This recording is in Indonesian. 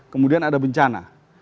kemudian ada bencana